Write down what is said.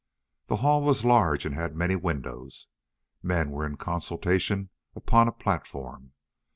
The hall was large and had many windows. Men were in consultation upon a platform.